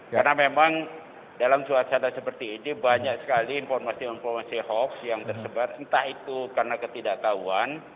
karena memang dalam suasana seperti ini banyak sekali informasi informasi hoax yang tersebar entah itu karena ketidaktahuan